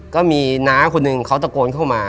ก็มีน้าคนหนึ่งเขาตะโกนเข้ามา